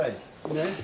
ねっ。